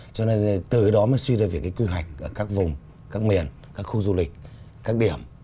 cho nên từ đó mới suy ra về cái quy hoạch ở các vùng các miền các khu du lịch các điểm